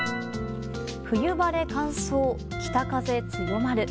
冬晴れ乾燥、北風強まる。